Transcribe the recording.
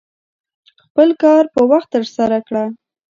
خپل کار په وخت ترسره کړه.